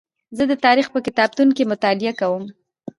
زه د تاریخ په کتابتون کې مطالعه کوم.